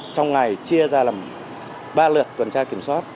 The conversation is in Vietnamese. trong ngày chia ra làm ba lượt tuần tra kiểm soát